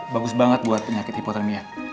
bagus banget buat penyakit hipotermia